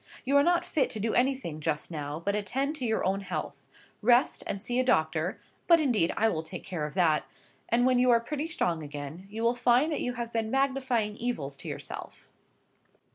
You are not fit to do anything just now but attend to your own health: rest, and see a doctor (but, indeed, I will take care of that), and when you are pretty strong again, you will find that you have been magnifying evils to yourself."